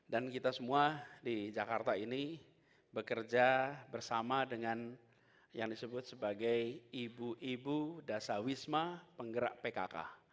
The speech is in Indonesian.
dan kita semua di jakarta ini bekerja bersama dengan yang disebut sebagai ibu ibu dasawisma penggerak pkk